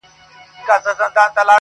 o ځوان دعا کوي.